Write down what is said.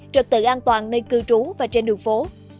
trật tự an toàn nơi cư trú và trên đường phố